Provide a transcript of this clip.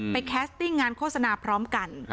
แคสติ้งงานโฆษณาพร้อมกัน